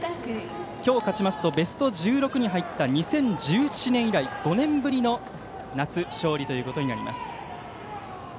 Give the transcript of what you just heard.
今日、勝ちますとベスト１６に入った２０１７年以来５年ぶりの夏勝利となります。